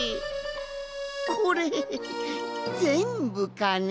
これぜんぶかね？